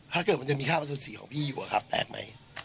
ถ้าเกิดมันจะมีข้าวอสุจิของพี่อยู่ครับแปลกไหม